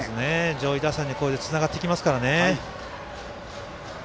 上位打線に、こうやってつながっていきますからね。